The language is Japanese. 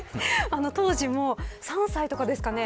当時、３歳とかですかね。